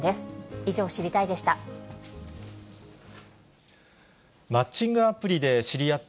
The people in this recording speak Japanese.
以上、知りたいッ！でした。